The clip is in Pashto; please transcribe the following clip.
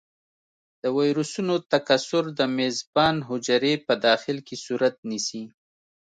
د ویروسونو تکثر د میزبان حجرې په داخل کې صورت نیسي.